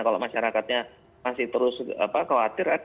kalau masyarakatnya masih terus khawatir